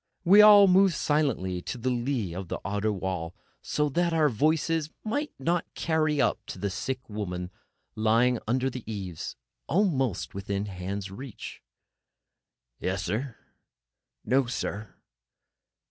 We all moved silently to the lee of the outer wall, so that our voices might not carry up to the sick woman lying there under the eaves, almost within hand reach. "Yes, sir." "No, sir."